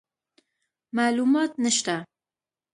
معلومات نشته،